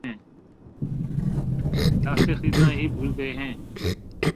راستے سے خریدنا ہی بھول گئے ہیں